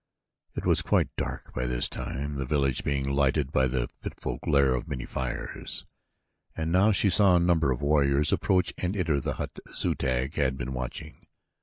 It was quite dark by this time, the village being lighted by the fitful glare of many fires, and now she saw a number of warriors approach and enter the hut Zu tag had been watching.